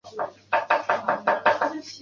有子侯云桂。